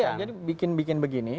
jadi bikin bikin begini